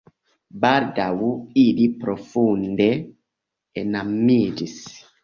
Baldaŭ ili profunde enamiĝis.